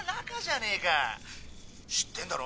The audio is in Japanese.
知ってんだろ？